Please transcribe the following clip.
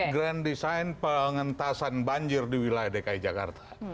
grand design pengentasan banjir di wilayah dki jakarta